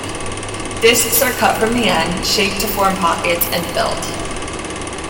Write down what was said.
Disks are cut from the end, shaped to form pockets, and filled.